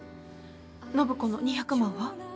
暢子の２００万は？